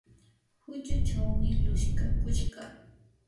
huchuchawmi lutskakushqa.